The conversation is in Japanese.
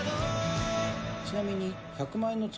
ちなみに。